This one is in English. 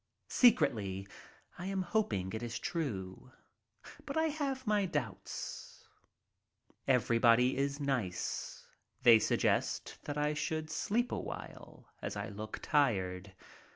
Secretly, I am hoping it is true. But I have my doubts. Everybody is nice. They suggest that I should sleep awhile, as I look tired.